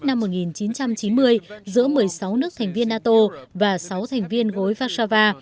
hiệp ước vũ khí thông thường ở châu âu được ký kết năm một nghìn chín trăm chín mươi giữa một mươi sáu nước thành viên nato và sáu thành viên gối vakshava